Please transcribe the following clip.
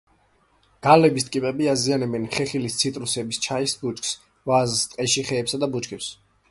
გალების ტკიპები აზიანებენ ხეხილს, ციტრუსებს, ჩაის ბუჩქს, ვაზს; ტყეში ხეებსა და ბუჩქებს.